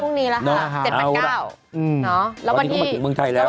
พรุ่งนี้ละครับ๗๙เนอะแล้ววันนี้ตอนนี้เขามาถึงเมืองไทยแล้ว